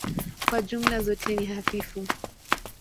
Kwa jumla zote ni hafifu.